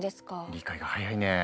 理解が早いねぇ。